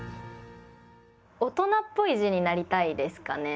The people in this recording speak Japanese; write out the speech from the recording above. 大人っぽい字になりたいですかね。